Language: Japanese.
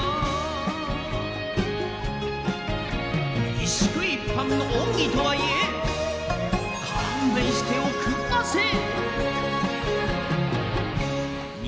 「一宿一飯の恩義とはいえ勘弁しておくんなせぇ」